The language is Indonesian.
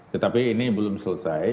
tetapi ini belum selesai